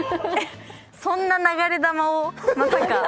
そんな流れ弾をまさか。